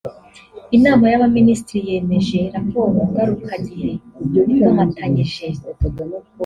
Inama y’Abaminisitiri yemeje Raporo Ngarukagihe ikomatanyije